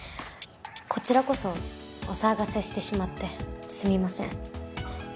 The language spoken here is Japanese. こちらこそお騒がせしてしまってすみません